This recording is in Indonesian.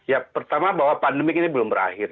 ya pertama bahwa pandemik ini belum berakhir